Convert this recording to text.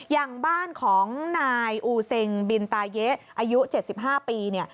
อย่างบ้านของนายอูเซ็งบินตาเยะอายุ๗๕ปีเนี่ย